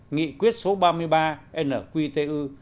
nghị quyết số ba mươi ba nqtu